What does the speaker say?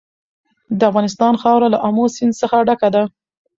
د افغانستان خاوره له آمو سیند څخه ډکه ده.